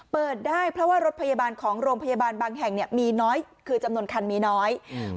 เปิดได้เพราะว่ารถพยาบาลของโรงพยาบาลบางแห่งเนี่ยมีน้อยคือจำนวนคันมีน้อยอืม